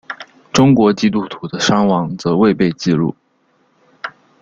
中国基督徒的伤亡则未被记录。